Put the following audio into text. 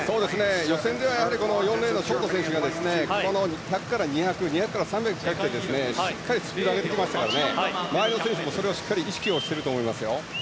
予選では４レーンのショート選手がが１００ｍから２００ｍ２００ｍから３００ｍにかけてしっかりスピードを上げてきますから周りの選手もそれを意識していると思います。